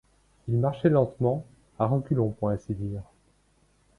Ils marchaient lentement, à reculons pour ainsi dire.